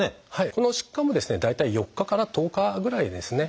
この疾患もですね大体４日から１０日ぐらいですね。